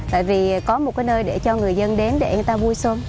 tại vì có một nơi để cho người dân đến để người ta vui sôn